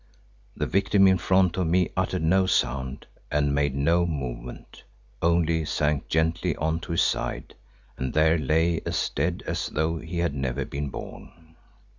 The victim in front of me uttered no sound and made no movement; only sank gently on to his side, and there lay as dead as though he had never been born.